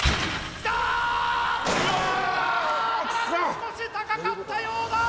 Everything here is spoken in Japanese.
当たらず少し高かったようだ！